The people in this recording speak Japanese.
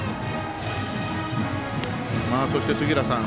そして、杉浦さん